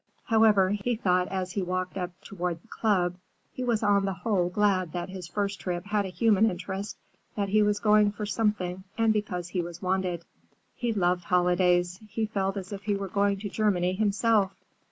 However, he thought as he walked up toward the club, he was on the whole glad that his first trip had a human interest, that he was going for something, and because he was wanted. He loved holidays. He felt as if he were going to Germany himself.